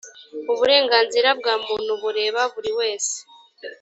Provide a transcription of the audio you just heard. uburenganzira bwa muntu bureba buriwese.